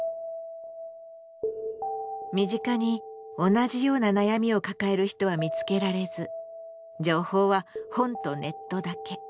身近に同じような悩みを抱える人は見つけられず情報は本とネットだけ。